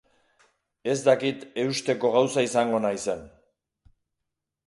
Ez dakit eusteko gauza izango naizen.